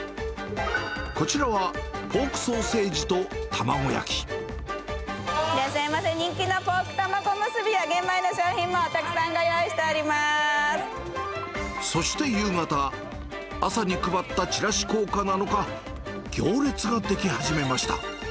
こちらは、いらっしゃいませ、人気のポーク玉子むすびや、玄米の商品もたくさんご用意してそして夕方、朝に配ったチラシ効果なのか、行列が出来始めました。